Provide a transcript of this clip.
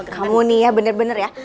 kamu nih ya bener bener ya